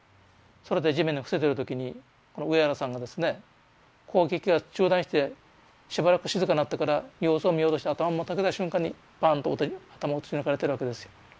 それで地面に伏せてる時に上原さんがですね攻撃が中断してしばらく静かになったから様子を見ようとして頭をもたげた瞬間にバンと頭撃ち抜かれてるわけですよ。